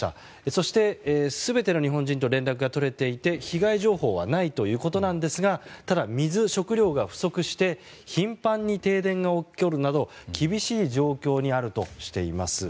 そして、全ての日本人と連絡が取れていて被害情報はないということですがただ、水、食糧が不足して頻繁に停電が起きるなど厳しい状況にあるとしています。